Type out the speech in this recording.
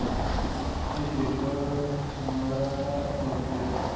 Es directora, escenógrafa y actriz.